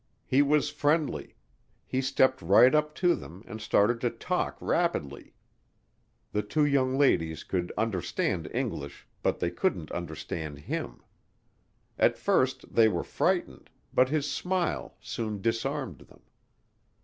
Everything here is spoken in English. He was friendly; he stepped right up to them and started to talk rapidly. The two young ladies could understand English but they couldn't understand him. At first they were frightened, but his smile soon "disarmed" them.